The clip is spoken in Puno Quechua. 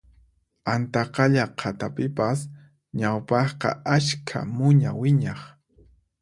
Antaqalla qhatapipas ñawpaqqa askha muña wiñaq